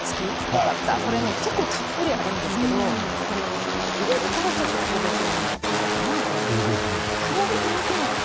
これ、たっぷりあるんですけどこれを入れるからちょっと神戸風にもなるかなと思うんです。